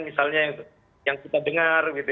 misalnya yang kita dengar